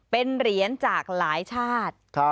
เป็นเหรียญจากหลายชาติ